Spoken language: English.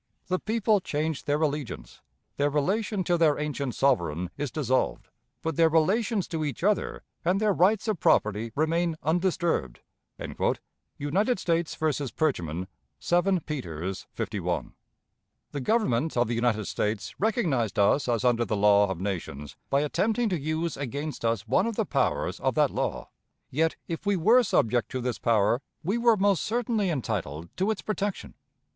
The people change their allegiance; their relation to their ancient sovereign is dissolved; but their relations to each other and their rights of property remain undisturbed." ("United States vs. Percheman," 7 Peters, 51.) The Government of the United States recognized us as under the law of nations by attempting to use against us one of the powers of that law. Yet, if we were subject to this power, we were most certainly entitled to its protection.